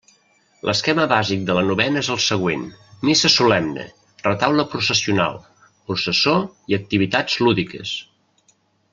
L'esquema bàsic de la novena és el següent: missa solemne, retaule processional, processó i activitats lúdiques.